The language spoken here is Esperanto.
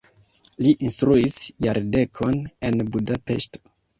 Li instruis jardekon en Budapeŝto.